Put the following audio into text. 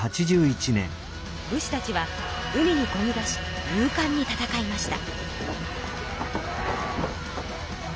武士たちは海にこぎ出し勇かんに戦いました。